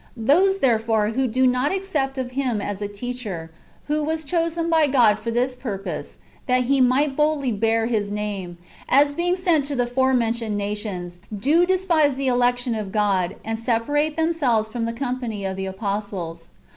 """ Those, therefore, who do not accept of him [as a teacher], who was chosen by God for this purpose, that he might boldly bear His name, as being sent to the forementioned nations, do despise the election of God, and separate themselves from the company of the apostles.